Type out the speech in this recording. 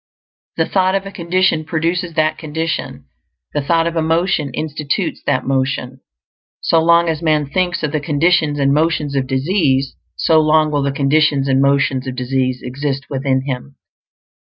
The thought of a condition produces that condition; the thought of a motion institutes that motion. So long as man thinks of the conditions and motions of disease, so long will the conditions and motions of disease exist within him.